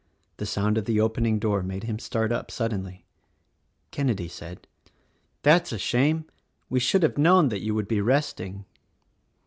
The sound of the opening door made him start up suddenly. Kenedy said, "That's a shame! We should have known that you would be resting."